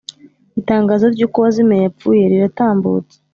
Itangazo ry’uko uwazimiye yapfuye riratambutse